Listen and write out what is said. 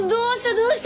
どうした？